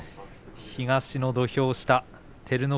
東の土俵下照ノ